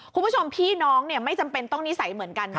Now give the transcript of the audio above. คุณผู้ชมพี่น้องไม่จำเป็นต้องนิสัยเหมือนกันนะ